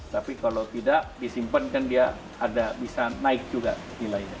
tapi kalau tidak disimpan kan dia ada bisa naik juga nilainya